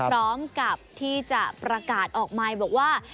พร้อมกับที่จะประกาศออกใหม่บอกว่า